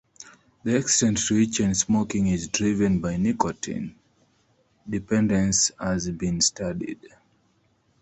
The extent to which chain smoking is driven by nicotine dependence has been studied.